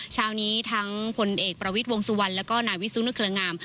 เช้านี้ทั้งผลเอกประวิทย์วงสุวรรณแล้วก็นายวิสุนุเครืองาม